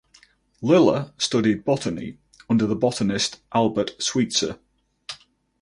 Lilla studied botany under the botanist Albert Sweetser.